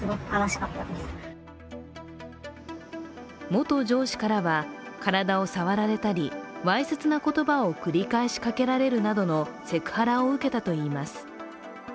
元上司からは、体を触られたりわいせつな言葉を繰り返しかけられるなどのセクハラを受けたといいます。